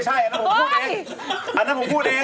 อันนั้นผมพูดเอง